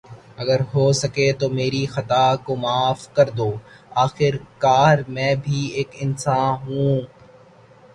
اگر ہوسکے تو میری خطا کو معاف کردو۔ آخر کار میں بھی ایک انسان ہوں۔